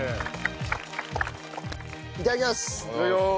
いただきます！